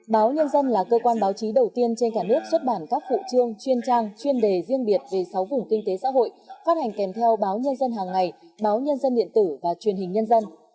báo nhân dân là cơ quan báo chí đầu tiên trên cả nước xuất bản các phụ trương chuyên trang chuyên đề riêng biệt về sáu vùng kinh tế xã hội phát hành kèm theo báo nhân dân hàng ngày báo nhân dân điện tử và truyền hình nhân dân